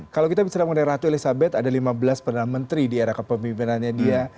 kalau kita bicara mengenai ratu elizabeth ada lima belas perdana menteri di era kepemimpinannya dia